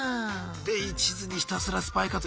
で一途にひたすらスパイ活動。